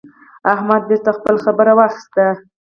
احمد بېرته خپله خبره واخيسته.